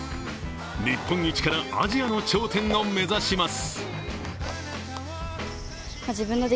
日本一からアジアの頂点を目指します。